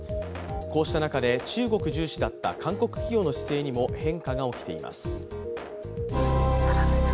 こうした中で中国重視だった韓国企業の姿勢にも変化が起きています。